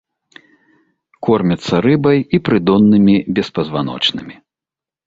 Кормяцца рыбай і прыдоннымі беспазваночнымі.